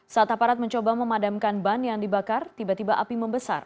saat aparat mencoba memadamkan ban yang dibakar tiba tiba api membesar